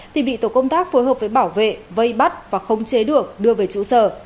thì bị tổ công tác phối hợp với bảo vệ vây bắt và không chế được đưa về trụ sở